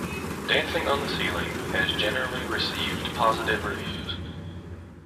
"Dancing on the Ceiling" has generally received positive reviews.